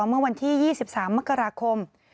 เมื่อวันที่๒๓มกราคม